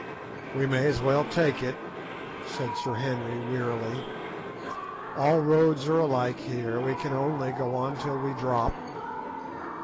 "We may as well take it," said Sir Henry wearily; "all roads are alike here; we can only go on till we drop."